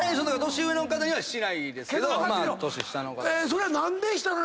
それは何で下の。